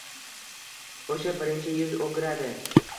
o'sha birinchi yuz o'giradi.